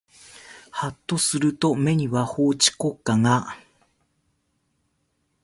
はっとすると目には法治国家が